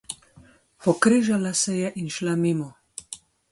Pokrižala se je in je šla mimo.